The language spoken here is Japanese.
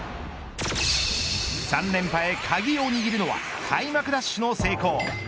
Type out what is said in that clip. ３連覇へ鍵を握るのは開幕ダッシュの成功。